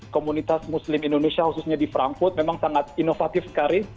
komunitas muslim indonesia khususnya di frankfurt memang sangat inovatif sekali